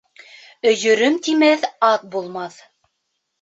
Өйөрөм тимәҫ ат булмаҫ.